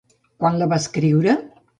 Quan la va escriure?